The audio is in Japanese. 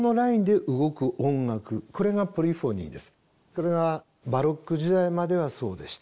これがバロック時代まではそうでした。